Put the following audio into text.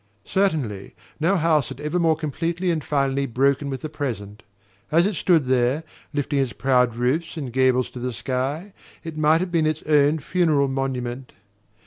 Certainly no house had ever more completely and finally broken with the present. As it stood there, lifting its proud roofs and gables to the sky, it might have been its own funeral monument.